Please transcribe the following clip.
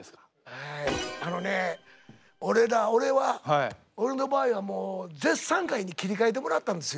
えあのね俺ら俺は俺の場合はもう絶賛会に切り替えてもらったんですよ。